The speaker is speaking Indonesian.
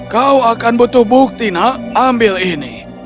kau akan butuh bukti nak ambil ini